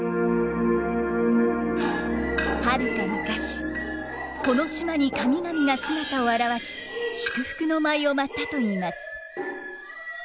はるか昔この島に神々が姿を現し祝福の舞を舞ったといいます。